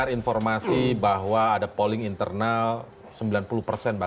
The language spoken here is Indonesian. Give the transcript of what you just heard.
jom nahin sejujurnya